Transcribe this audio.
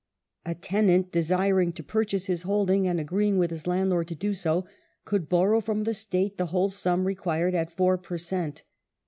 A tenant desiring to purchase his holding and agreeing with his landlord to do so could borrow from the State the whole sum required at 4 per cent.